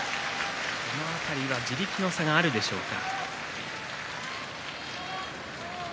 この辺りは地力の差があるでしょうか。